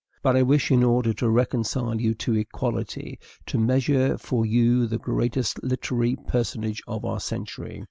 But I wish, in order to reconcile you to equality, to measure for you the greatest literary personage of our century.